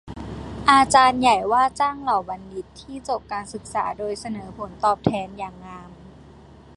อาจารย์ใหญ่ว่าจ้างเหล่าบัณฑิตที่จบการศึกษาโดยเสนอผลตอบแทนอย่างงาม